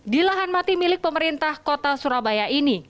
di lahan mati milik pemerintah kota surabaya ini